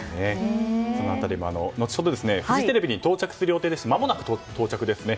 その辺りも後ほどフジテレビに到着予定でまもなく到着ですね。